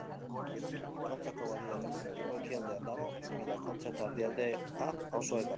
Kontxako badiaren hego-ekialdean dago, Mirakontxa eta Erdialdea auzoetan.